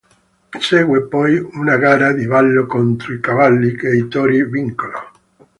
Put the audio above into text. Segue poi una gara di ballo contro i cavalli, che i tori vincono.